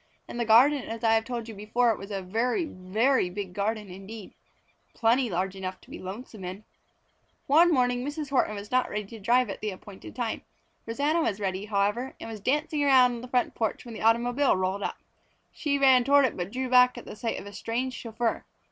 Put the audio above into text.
And the garden, as I have told you before, was a very, very big garden indeed. Plenty large enough to be very lonesome in. One morning Mrs. Horton was not ready to drive at the appointed time. Rosanna was ready, however, and was dancing around on the front porch when the automobile rolled up. She ran toward it but drew back at the sight of a strange chauffeur.